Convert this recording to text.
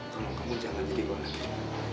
tolong kamu jangan jadi kawan akhir